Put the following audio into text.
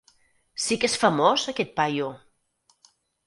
Si que és famós, aquest paio!